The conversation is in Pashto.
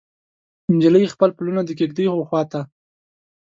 نجلۍ خپل پلونه د کیږدۍ وخواته